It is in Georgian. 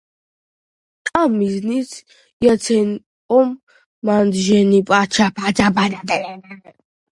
ამ მიზნით იაცენკომ მანეჟის შენობა გამოიყენა,